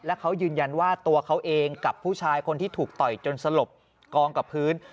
และเขายืนยันว่าตัวเขาเองกับผู้ชายคนที่ถูกต่อยจนสลบกองกับพื้น